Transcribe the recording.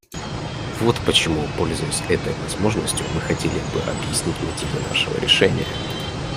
Вот почему, пользуясь этой возможностью, мы хотели бы объяснить мотивы нашего решения.